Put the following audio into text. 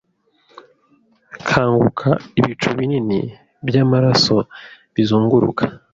Kanguka ibicu binini byamaraso bizunguruka